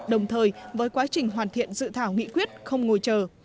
đồng thời với quá trình hoàn thiện dự thảo nghị quyết không ngồi chờ